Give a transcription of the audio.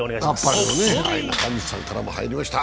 はい、中西さんからも入りました。